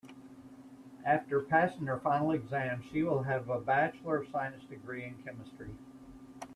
After passing her final exam she will have a bachelor of science degree in chemistry.